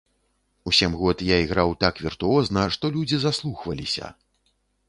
У сем год я іграў так віртуозна, што людзі заслухваліся.